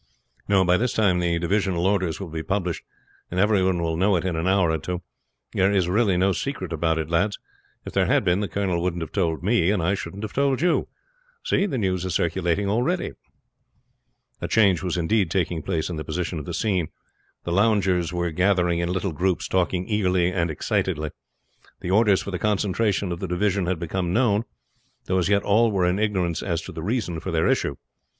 "No; by this time the divisional orders will be published, and everyone will know it in an hour or two. There is really no secret about it, lads. If there had been the colonel wouldn't have told me, and I shouldn't have told you. See, the news is circulating already." A change was indeed taking place in the position of the scene. The loungers were gathering in little groups, talking eagerly and excitedly. The orders for the concentration of the divisions had become known, though as yet all were in ignorance as to the reason for their issue.